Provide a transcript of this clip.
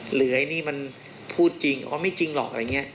ไอ้นี่มันพูดจริงว่าไม่จริงหรอกอะไรอย่างนี้